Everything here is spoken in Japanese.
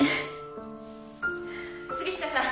・杉下さん。